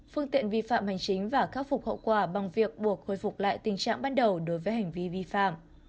phương tiện vi phạm hành chính và khắc phục hậu quả bằng việc buộc khôi phục lại tình trạng ban đầu đối với hành vi vi phạm